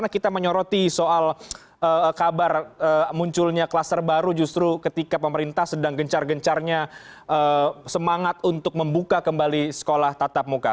kita menyoroti soal kabar munculnya kluster baru justru ketika pemerintah sedang gencar gencarnya semangat untuk membuka kembali sekolah tatap muka